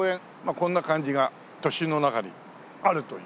こんな感じが都心の中にあるというね。